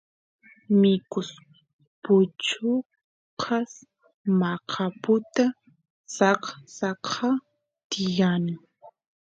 mikus puchukas maqaputa saksaqa tiyani